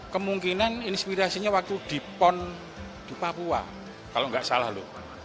kemungkinan inspirasinya waktu di pon di papua kalau nggak salah loh